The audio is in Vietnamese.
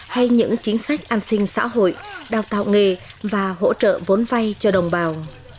hay những chính sách an sinh xã hội đào tạo nghề và hỗ trợ vốn vay cho đồng bào